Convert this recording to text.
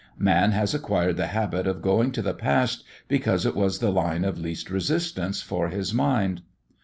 Man has acquired the habit of going to the past because it was the line of least resistance for his mind.